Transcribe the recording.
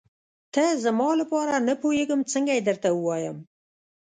ته زما لپاره نه پوهېږم څنګه یې درته ووايم.